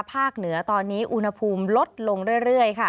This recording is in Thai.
เหนือตอนนี้อุณหภูมิลดลงเรื่อยค่ะ